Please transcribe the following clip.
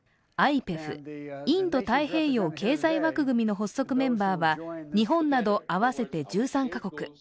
ＩＰＥＦ＝インド太平洋経済枠組みの発足メンバーは日本など合わせて１３カ国。